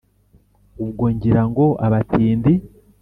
Ubwo ngira ngo abatindi